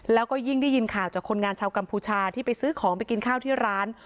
แล้วก็ยิ่งได้ยินข่าวจากคนงานชาวกัมพูชาที่ไปซื้อของไปกินข้าวที่ร้าน